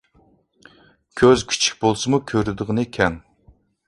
كۆز كىچىك بولسىمۇ، كۆرىدىغىنى كەڭ.